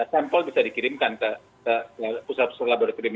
sampel bisa dikirimkan ke pusat pusat laboratorium